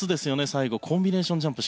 最後コンビネーションジャンプ